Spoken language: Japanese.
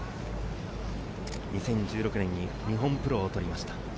２０１６年に日本プロを取りました。